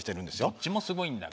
どっちもすごいんだから。